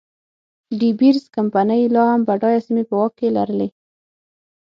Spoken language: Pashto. ډي بیرز کمپنۍ لا هم بډایه سیمې په واک کې لرلې.